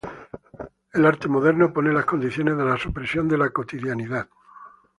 El arte moderno pone las condiciones de la supresión de la cotidianidad.